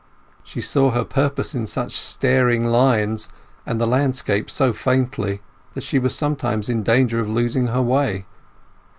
She saw her purpose in such staring lines, and the landscape so faintly, that she was sometimes in danger of losing her way.